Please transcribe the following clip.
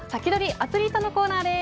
アツリートのコーナーです。